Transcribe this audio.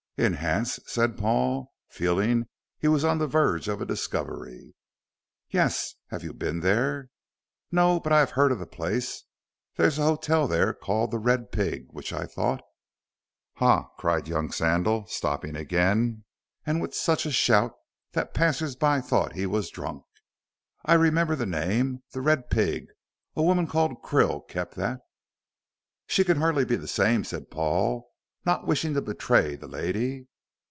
"In Hants," said Paul, feeling he was on the verge of a discovery. "Yes. Have you been there?" "No. But I have heard of the place. There's an hotel there called 'The Red Pig,' which I thought " "Ha!" cried young Sandal, stopping again, and with such a shout that passers by thought he was drunk. "I remember the name. 'The Red Pig'; a woman called Krill kept that." "She can hardly be the same," said Paul, not wishing to betray the lady.